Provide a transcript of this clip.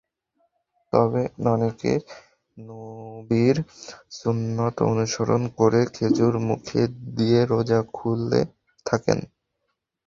তবে অনেকে নবীর সুন্নত অনুসরণ করে খেজুর মুখে দিয়ে রোজা খুলে থাকেন।